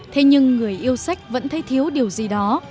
thế nhưng người yêu sách vẫn thấy thiếu điều gì đó